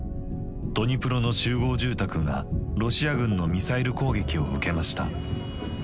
ドニプロの集合住宅がロシア軍のミサイル攻撃を受けました。